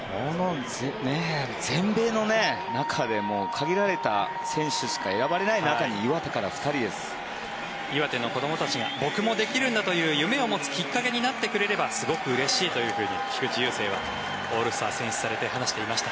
全米の中で限られた選手しか選ばれない中に岩手の子どもたちが僕もできるんだという夢を持つきっかけになってくれればすごくうれしいというふうに菊池雄星はオールスター選出されて話していました。